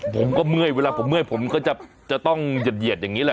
เมื่อยเวลาผมเมื่อยผมก็จะต้องเหยียดอย่างนี้แหละ